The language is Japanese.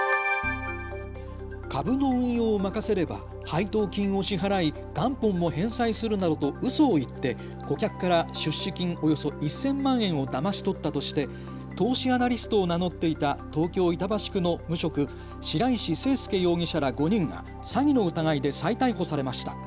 株の運用を任せれば配当金を支払い元本も返済するなどとうそを言って顧客から出資金およそ１０００万円をだまし取ったとして投資アナリストを名乗っていた東京板橋区の無職、白石勢輔容疑者ら５人が詐欺の疑いで再逮捕されました。